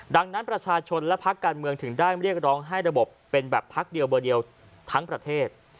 ดังนั้นประชาชนและพักการเมืองถึงได้เรียกร้องให้ระบบเป็นแบบพักเดียวเบอร์เดียวทั้งประเทศ